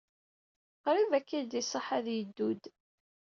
Qrib ad k-id-iṣaḥ ad yeddud.